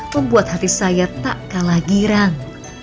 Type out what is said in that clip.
membuat hati saya tak kalah girang